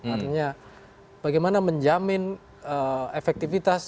artinya bagaimana menjamin efektivitas